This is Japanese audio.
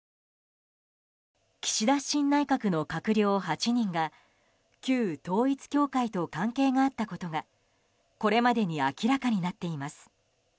岸田新内閣の閣僚８人が旧統一教会と関係があったことがこれまでに明らかになっています。